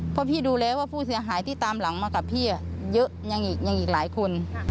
เพราะพี่ดูแล้วว่าผู้เสียหายที่ตามหลังมากับพี่เยอะยังอีกหลายคน